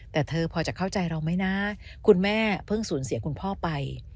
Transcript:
แต่เธอพอจะเข้าใจเราไหมนะคุณแม่เพิ่งสูญเสียคุณพ่อไป